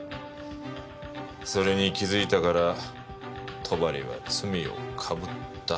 それに気づいたから戸張は罪を被った。